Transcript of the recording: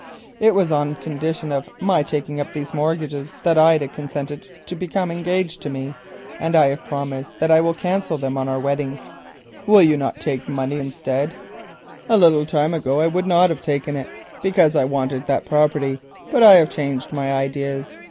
"It was on condition of my taking up those mortgages that Ida consented to become engaged to me, and I have promised that I will cancel them on our wedding. Will you not take money instead?" "Yes," answered Mr. Quest, "I would take money. A little time ago I would not have taken it because I wanted that property; now I have changed my ideas.